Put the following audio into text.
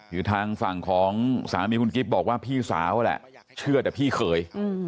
คือทางฝั่งของสามีคุณกิฟต์บอกว่าพี่สาวแหละเชื่อแต่พี่เคย